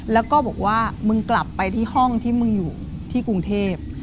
แล้วก็บอกว่ามึงกลับไปที่ห้องที่มึงอยู่ที่กรุงเทพ